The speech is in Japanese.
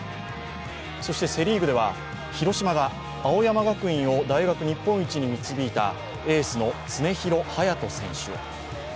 そしてセ・リーグでは広島が青山学院を大学日本一に導いたエースの常廣羽也斗選手を。